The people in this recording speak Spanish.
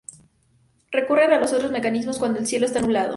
Recurren a los otros mecanismos cuando el cielo está nublado.